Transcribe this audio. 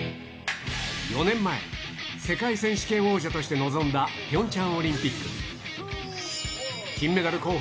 ４年前、世界選手権王者として臨んだピョンチャンオリンピック。